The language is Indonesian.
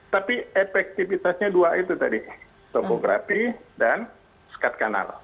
tapi efektivitasnya dua itu tadi topografi dan sekat kanal